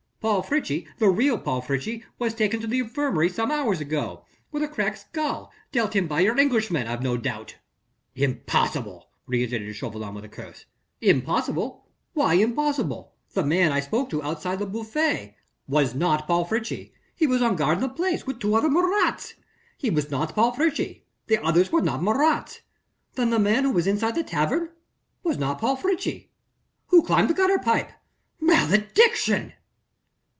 "Paul Friche the real Paul Friche was taken to the infirmary some hours ago ... with a cracked skull, dealt him by your Englishman, I've no doubt...." "Impossible," reiterated Chauvelin with a curse. "Impossible? why impossible?" "The man I spoke to outside Le Bouffay...." "Was not Paul Friche." "He was on guard in the Place with two other Marats." "He was not Paul Friche the others were not Marats." "Then the man who was inside the tavern?..." "Was not Paul Friche." "... who climbed the gutter pipe ...?" "Malediction!"